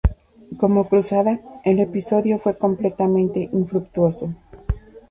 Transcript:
Como Cruzada, el episodio fue completamente infructuoso.